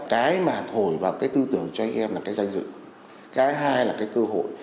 cái mà thổi vào cái tư tưởng cho anh em là cái danh dự cái hai là cái cơ hội